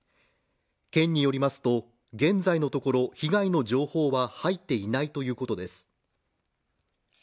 県によりますと、現在のところ被害の情報は入っていないいうことです。